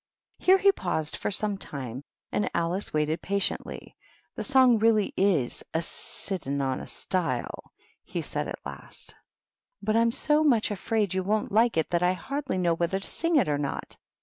^" Here he paused for some time, and Alice waited patiently. " The song really is ' A sitting on a StiUj " he said, at last. " But I'm so much afraid you won't like it that I hardly know whether to sing it or not.